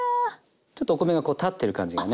ちょっとお米がこう立ってる感じがね